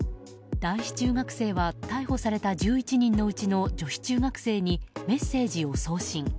男子中学生は逮捕された１１人のうちの女子中学生にメッセージを送信。